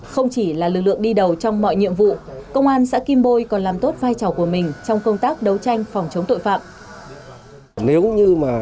không chỉ là lực lượng đi đầu trong mọi nhiệm vụ công an xã kim bôi còn làm tốt vai trò của mình trong công tác đấu tranh phòng chống tội phạm